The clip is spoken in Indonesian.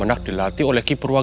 anda tahu gestar